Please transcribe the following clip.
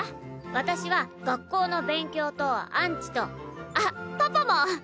私は学校の勉強とアンチとあっパパも！